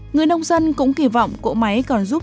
người nông dân cũng kỳ vọng cỗ máy còn giúp diện tích